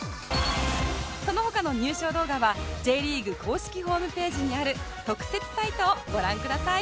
その他の入賞動画は Ｊ リーグ公式ホームページにある特設サイトをご覧ください